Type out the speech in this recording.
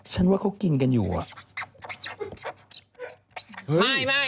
ฉันว่าเขากินกันอยู่อะ